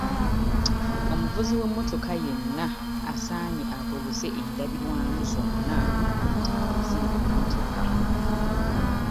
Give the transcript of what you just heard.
Omuvuzi w'emmotoka yenna asaanye akozese endabirwamu zonna eziri ku mmotoka.